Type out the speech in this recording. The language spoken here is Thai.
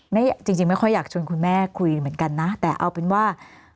จริงจริงไม่ค่อยอยากชวนคุณแม่คุยเหมือนกันนะแต่เอาเป็นว่า